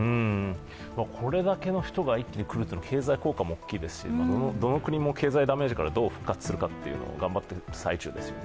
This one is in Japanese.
これだけの人が一気に来るというのは経済効果も大きいですし、どの国も経済ダメージからどう復活するか頑張っている最中ですよね。